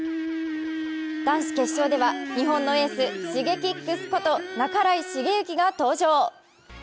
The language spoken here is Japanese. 男子決勝では、日本のエースＳｈｉｇｅｋｉｘこと半井重幸が登場。